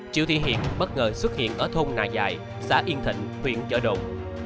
triệu thị hiền bất ngờ xuất hiện ở thôn nà dại xã yên thịnh huyện chợ độn